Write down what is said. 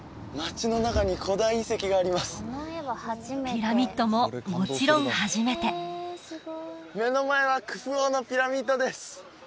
ピラミッドももちろん初めて目の前はクフ王のピラミッドです